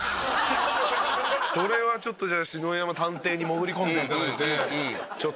それはちょっとじゃあ篠山探偵に潜り込んで頂いてちょっと。